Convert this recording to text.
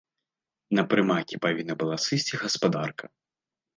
На прымакі павінна была сысці гаспадарка.